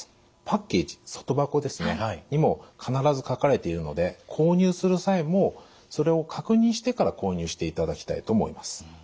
パッケージ外箱にも必ず書かれているので購入する際もそれを確認してから購入していただきたいと思います。